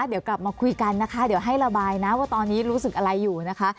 เดี๋ยวกลับมาคุยกันนะคะเดี๋ยวให้ระบายนะว่าตอนนี้รู้สึกอะไรอยู่นะคะ